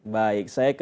baik saya ke